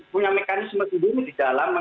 punya mekanisme sendiri di dalam